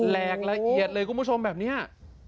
แหลกล่ะแหยาซะเลยคุณผู้ชมแบบเนี้ย